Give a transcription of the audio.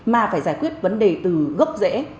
mà phải giải quyết vấn đề từ gốc rễ